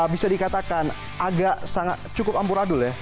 bisa dikatakan agak cukup ampuradul ya